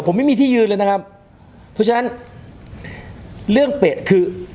ผมไม่มีที่ยืนเลยนะครับเพราะฉะนั้นเรื่องเป็ดคือ